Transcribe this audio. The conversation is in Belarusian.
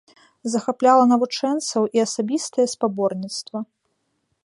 Захапляла навучэнцаў і асабістае спаборніцтва.